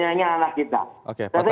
dan sekarang kita akan buat type